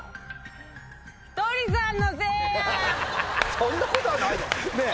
そんなことはないよ。